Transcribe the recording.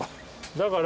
だから。